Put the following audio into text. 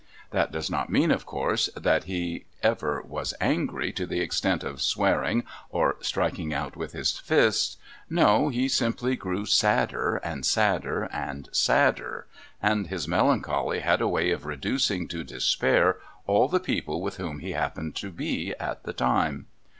That does not mean, of course, that he ever was angry to the extent of swearing or striking out with his fists no, he simply grew sadder, and sadder, and sadder, and this melancholy had a way of reducing to despair all the people with whom he happened to be at the time.